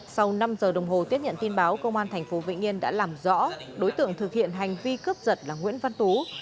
sau năm giờ đồng hồ tiếp nhận tin báo công an tp vĩnh yên đã làm rõ đối tượng thực hiện hành vi cướp giật là nguyễn văn tú